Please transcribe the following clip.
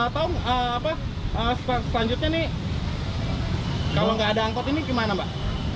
tau selanjutnya nih kalau nggak ada angkot ini gimana mbak